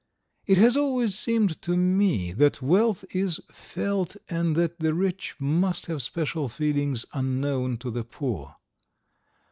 It has always seemed to me that wealth is felt, and that the rich must have special feelings unknown to the poor.